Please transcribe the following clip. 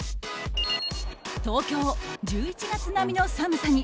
東京１１月並みの寒さに。